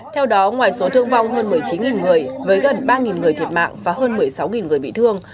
theo đó ngoài số thương vong hơn một mươi chín người với gần ba người thiệt mạng và hơn một mươi sáu người bị thương